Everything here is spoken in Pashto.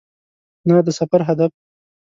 نه د سفر هدف .